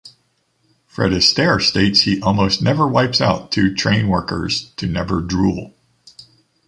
Fred Astaire states he almost never wipes out two train workers to never drool.